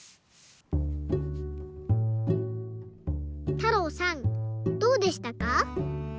たろうさんどうでしたか？